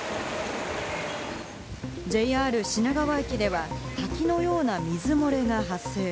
ＪＲ品川駅では滝のような水漏れが発生。